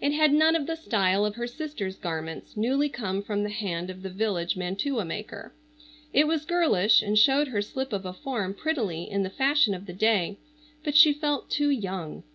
It had none of the style of her sister's garments, newly come from the hand of the village mantua maker. It was girlish, and showed her slip of a form prettily in the fashion of the day, but she felt too young.